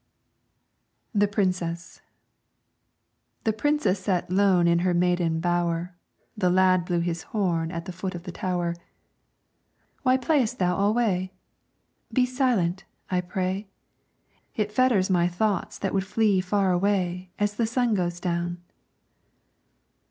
/& THE PRINCESS The Princess sat lone in her maiden bower, The lad blew his horn at the foot of the tower. "Why playest thou alway? Be silent, I pray, It fetters my thoughts that would flee far away, As the sun goes down."